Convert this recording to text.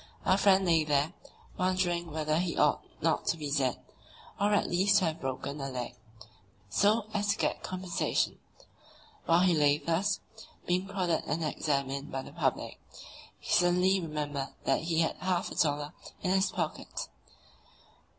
Our friend lay there, wondering whether he ought not to be dead, or at least to have broken a leg, so as to get compensation. While he lay thus, being prodded and examined by the public, he suddenly remembered that he had half a dollar in his pocket.